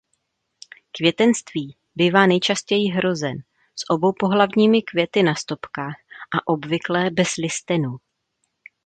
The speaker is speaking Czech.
Květenství bývá nejčastěji hrozen s oboupohlavnými květy na stopkách a obvykle bez listenů.